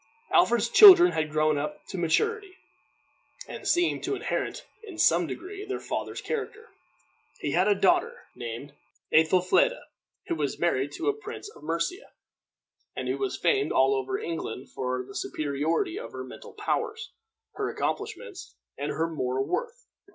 Alfred's children had grown up to maturity, and seemed to inherit, in some degree, their father's character. He had a daughter, named Æthelfleda, who was married to a prince of Mercia, and who was famed all over England for the superiority of her mental powers, her accomplishments, and her moral worth.